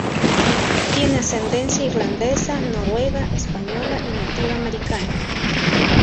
Tiene ascendencia irlandesa, noruega, española y nativa americana.